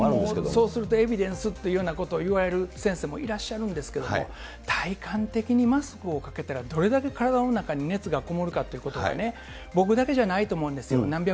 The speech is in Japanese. そうするとエビデンスというようなことを言われる先生もいらっしゃるんですけれども、体感的にマスクをかけたらどれだけ体の中に熱がこもるかということはね、僕だけじゃないと思うんですよ、何百